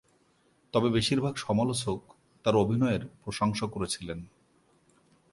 তবে বেশিরভাগ সমালোচক তার অভিনয়ের প্রশংসা করেছিলেন।